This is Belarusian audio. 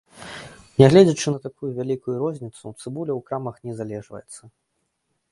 Нягледзячы на такую вялікую розніцу, цыбуля ў крамах не залежваецца.